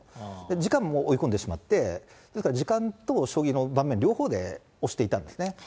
時間も追い込んでしまって、ですから時間と将棋の場面、両方で押していたんですね。